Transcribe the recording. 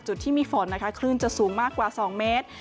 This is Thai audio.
จุดที่มีฝนนะคะคลื่นจะสูงมากกว่า๒เมตร